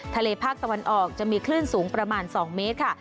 ภาคตะวันออกจะมีคลื่นสูงประมาณ๒เมตรค่ะ